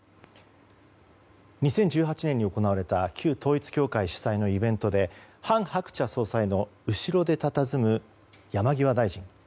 ２０１８年に行われた旧統一教会主催のイベントで韓鶴子総裁の後ろでたたずむ山際大臣。